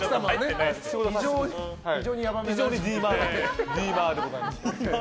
非常にヤバめなディーマーでございます。